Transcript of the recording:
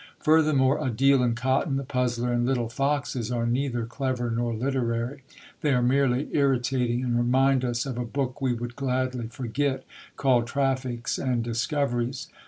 Furthermore, A Deal in Cotton, The Puzzler, and Little Foxes are neither clever nor literary; they are merely irritating, and remind us of a book we would gladly forget, called Traffics and Discoveries.